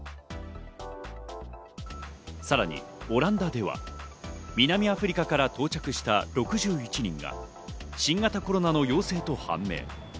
さらにオランダでは、南アフリカから到着した６１人が新型コロナの陽性と判明。